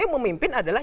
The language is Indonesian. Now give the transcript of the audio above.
yang memimpin adalah